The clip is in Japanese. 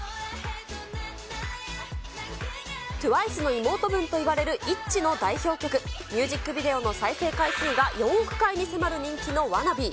ＴＷＩＣＥの妹分といわれる、ＩＺＴＹの代表曲、ミュージックビデオの再生回数が４億回に迫る人気のワナビー。